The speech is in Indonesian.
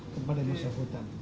kepada bisa hutan